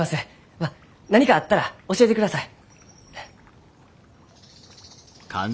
まあ何かあったら教えてください。